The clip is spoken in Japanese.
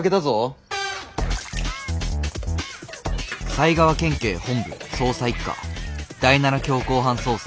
埼川県警本部捜査一課第７強行犯捜査